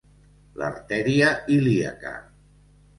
L'artèria ilíaca.